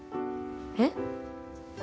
えっ？